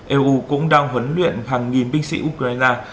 eu cũng đang huấn luyện hàng nghìn binh sĩ ukraine